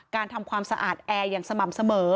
ทำความสะอาดแอร์อย่างสม่ำเสมอ